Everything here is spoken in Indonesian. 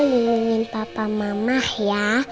lindungi papa mama ya